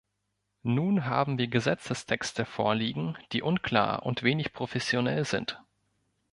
Nun haben wir Gesetzestexte vorliegen, die unklar und wenig professionell sind.